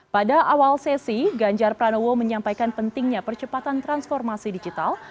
pada awal sesi ganjar pranowo menyampaikan pentingnya percepatan transformasi digital